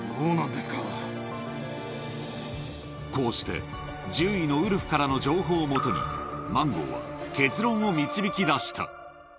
こうして、獣医のウルフからの情報を基に、マンゴーは、結論を導き出した。